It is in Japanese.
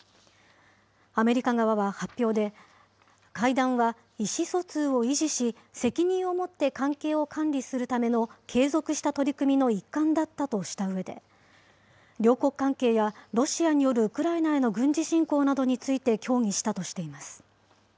アメリカ側は発表で、会談は意思疎通を維持し、責任を持って関係を管理するための継続した取り組みの一環だったとしたうえで、両国関係やロシアによるウクライナへの軍事侵攻などについて協議したとしています。